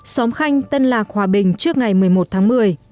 xóm khanh tân lạc hòa bình trước ngày một mươi một tháng một mươi